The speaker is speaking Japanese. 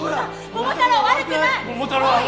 桃太郎は悪くない！